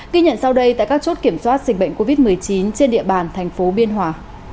ghi nhận sau đây tại các chốt kiểm soát dịch bệnh covid một mươi chín trên địa bàn thành phố biên hòa